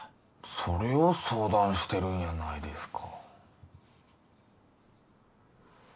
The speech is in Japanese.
それを相談してるんやないですか